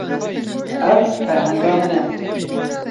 Ev ferhenga min e.